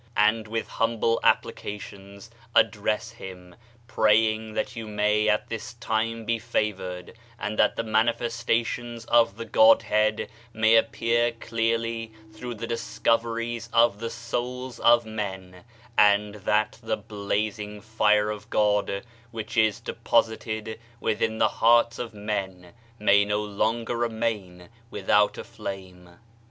And with humble applications, address him, praying that you may at this time be favored, and that the manifestations of the Godhead may ap pear clearly through the discoveries of the souls of men ; and that the blazing fire of God, which is deposited within the hearts of men, may no longer remain without a flame.